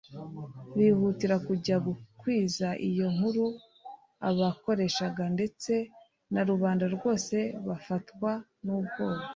bihutira kujya gukwiza iyo nkun. Ababakoreshaga ndetse na rubanda rwose bafatwa n'ubwoba,